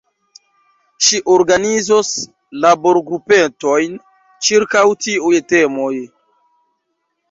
Ŝi organizos laborgrupetojn ĉirkaŭ tiuj temoj.